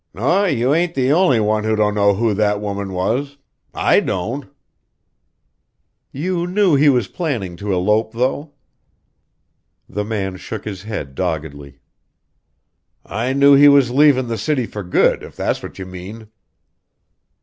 "N'r you ain't the only one who don't know who that woman was. I don't!" "You knew he was planning to elope, though?" The man shook his head doggedly. "I knew he was leavin' the city for good, if that's what you mean."